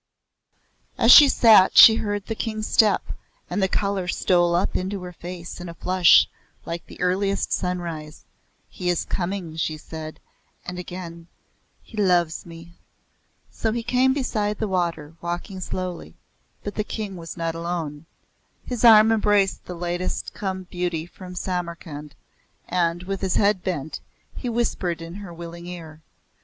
As she sat she heard the King's step, and the colour stole up into her face in a flush like the earliest sunrise. "He is coming," she said; and again; "He loves me." So he came beside the water, walking slowly. But the King was not alone. His arm embraced the latest come beauty from Samarkhand, and, with his head bent, he whispered in her willing ear.